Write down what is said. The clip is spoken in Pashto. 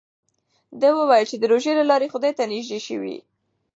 ده وویل چې د روژې له لارې خدای ته نژدې شوی.